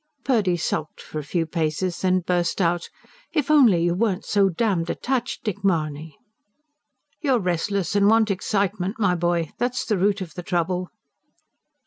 Purdy sulked for a few paces, then burst out: "If only you weren't so damned detached, Dick Mahony!" "You're restless, and want excitement, my boy that's the root of the trouble."